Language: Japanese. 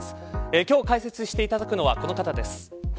今日解説していただくのはこの方です。